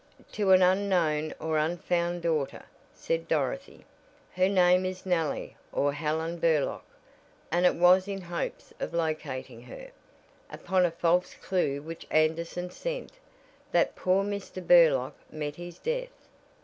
"To an unknown or unfound daughter," said Dorothy. "Her name is Nellie or Helen Burlock, and it was in hopes of locating her, upon a false clew which Anderson sent, that poor Mr. Burlock met his death."